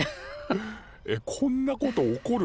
えっこんなこと起こる？